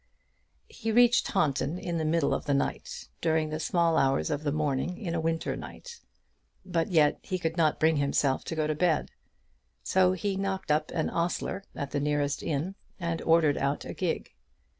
He reached Taunton in the middle of the night, during the small hours of the morning in a winter night; but yet he could not bring himself to go to bed. So he knocked up an ostler at the nearest inn, and ordered out a gig.